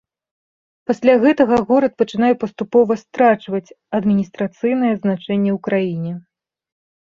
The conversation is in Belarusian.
Пасля гэтага горад пачынае паступова страчваць адміністрацыйнае значэнне ў краіне.